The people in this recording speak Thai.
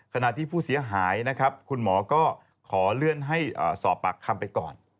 ขณะที่ผู้เสียหายนะครับคุณหมอก็ขอเลื่อนให้สอบปากคำไปก่อน